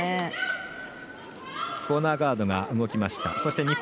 コーナーガードが動きました。